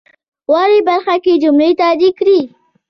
واورئ برخه کې جملې تایید کړئ.